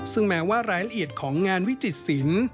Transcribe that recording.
ซึ่งแม้ว่ารายละเอียดของงานวิจิตศิลป์